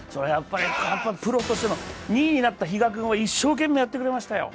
プロとしての、２位になった比嘉君は一生懸命やってくれましたよ。